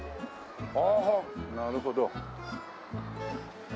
ああなるほど。